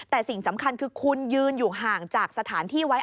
แต่สิ่งสำคัญคือคุณยืนอยู่ห่างจากสถานที่ไว้